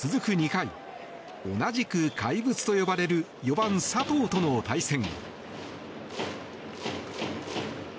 ２回同じく怪物と呼ばれる４番、佐藤との対戦。